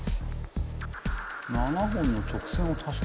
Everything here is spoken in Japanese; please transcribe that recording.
７本の直線を足して。